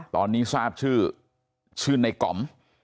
ตอนนี้ทราบชื่อชื่อในก๋อม